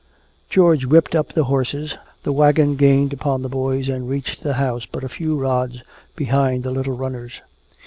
George whipped up the horses, the wagon gained upon the boys and reached the house but a few rods behind the little runners.